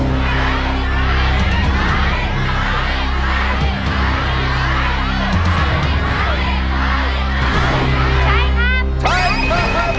ใช้ครับ